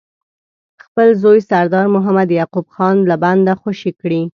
خپل زوی سردار محمد یعقوب خان له بنده خوشي کړي.